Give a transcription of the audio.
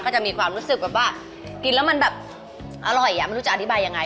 จะมีความรู้สึกแบบว่ากินแล้วมันแบบอร่อยอ่ะไม่รู้จะอธิบายยังไง